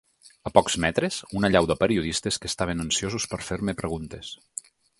A pocs metres, una allau de periodistes que estaven ansiosos per fer-me preguntes.